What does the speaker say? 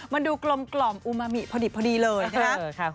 มันดูกลมกล่อมอุมามิพอดีเลยนะค่ะ